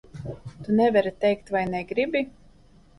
Tu nevari teikt vai negribi?